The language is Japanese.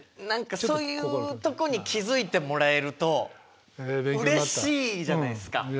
何かそういうとこに気付いてもらえるとうれしいじゃないですか。